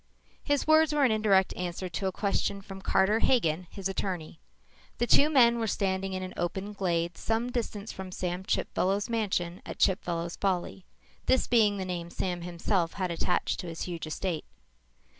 His words were an indirect answer to a question from Carter Hagen, his attorney. The two men were standing in an open glade, some distance from Sam Chipfellow's mansion at Chipfellow's Folly, this being the name Sam himself had attached to his huge estate.